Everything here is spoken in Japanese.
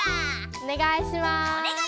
おねがいします。